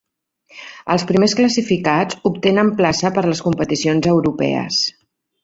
Els primers classificats obtenen plaça per les competicions europees.